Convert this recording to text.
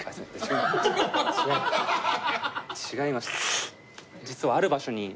違いました。